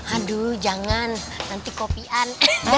aduh jangan nanti kopian